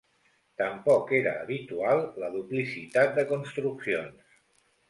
Tampoc era habitual la duplicitat de construccions.